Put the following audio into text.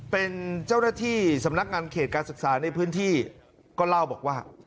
เป็นเจ้าหน้าที่สำนักงานเขตการศึกษาในพื้นที่ก็เล่าบอกว่า